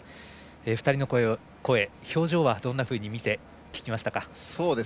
２人の声、表情はどんなふうに見て聞きましたか？